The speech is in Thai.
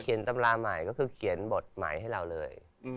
เขียนตำราใหม่ก็คือเขียนบทหมายให้เราเลย